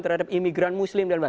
terhadap imigran muslim